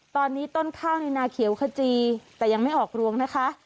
ตอนนี้ต้นข้าวในนาเขียวขจีแต่ยังไม่ออกรวงนะคะ